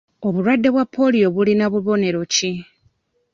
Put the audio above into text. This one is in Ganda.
Obulwadde bwa pooliyo bulina bubonero ki?